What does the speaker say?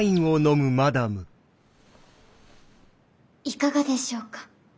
いかがでしょうか？